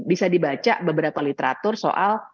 bisa dibaca beberapa literatur soal